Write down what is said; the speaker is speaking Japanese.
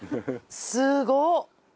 すごっ！